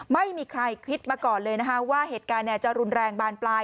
ไม่มีใครคิดมาก่อนเลยนะคะว่าเหตุการณ์จะรุนแรงบานปลาย